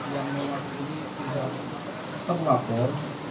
yang mewakili tidak terlapor